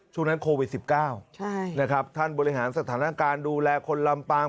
ช่วงนั้นโควิด๑๙นะครับท่านบริหารสถานการณ์ดูแลคนลำปาง